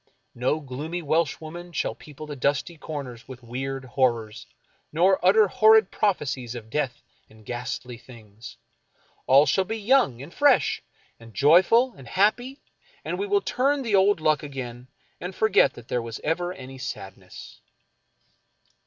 No gloomy Welsh woman shall people the dusky corners with weird horrors, nor utter horrid prophecies of death and ghastly things. All shall be young, and fresh, and joyful, and happy, and we will turn the old luck again, and forget that there was ever any sadness.